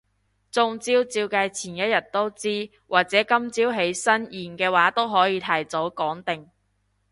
中招照計前一日都知，或者今朝起身驗嘅話都可以提早講定